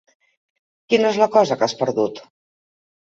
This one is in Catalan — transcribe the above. Quina és la cosa que has perdut?